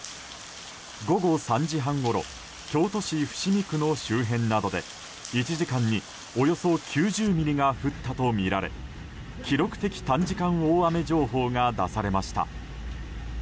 午後３時半ごろ京都市伏見区の周辺などで１時間におよそ９０ミリが降ったとみられ記録的短時間大雨情報が出されました。